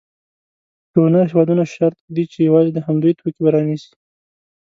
ډونر هېوادونه شرط ږدي چې یوازې د همدوی توکي به رانیسي.